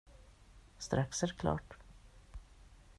Strax är det klart.